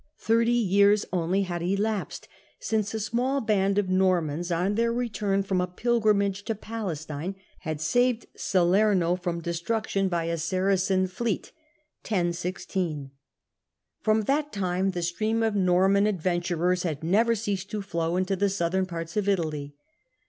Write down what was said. Thirty years only had elapsed since a small band of Normans, on their return from a pilgrimage to Palestine, had saved Salerno from destruction by a Saracen fleet Digitized by VjOOQIC Degradation op the Papacy 19 (1016). From that time the stream of Norman ad venturers had never ceased to flow into the southern parts of Italy.